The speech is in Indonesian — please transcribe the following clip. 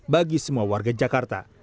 bagi semua warga jakarta